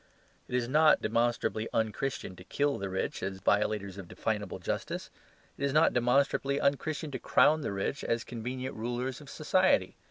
It is not demonstrably un Christian to kill the rich as violators of definable justice. It is not demonstrably un Christian to crown the rich as convenient rulers of society.